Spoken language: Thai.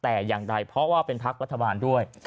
แต่อย่างใดเพราะว่าเป็นพักรัฐบาลด้วย